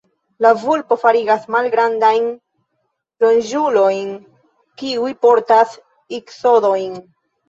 La vulpo forigas malgrandajn ronĝulojn, kiuj portas iksodojn.